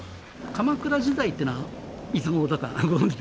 鎌倉時代っていうのはいつ頃だかご存じですか？